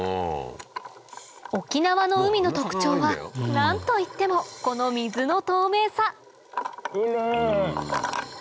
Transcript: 沖縄の海の特徴は何と言ってもこの水の透明さキレイ！